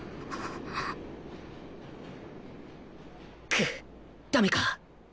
くっダメか